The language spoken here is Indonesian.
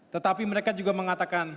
tetapi mereka juga mengatakan